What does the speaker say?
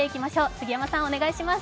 杉山さん、お願いします。